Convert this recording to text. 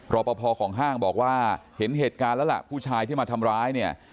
รอปภของห้างบอกว่าเห็นเหตุการณ์แล้วล่ะผู้ชายที่มาทำร้ายเนี่ย